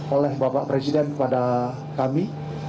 oleh bapak presiden kepada kami